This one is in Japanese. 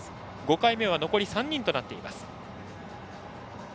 ５回目は残り３人となっています。